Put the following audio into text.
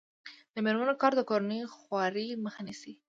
د میرمنو کار د کورنۍ خوارۍ مخه نیسي.